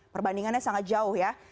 perbandingannya sangat jauh ya